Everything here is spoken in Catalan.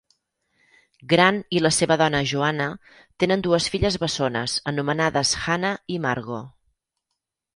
Grant i la seva dona Joanna tenen dues filles bessones, anomenades Hannah i Margo.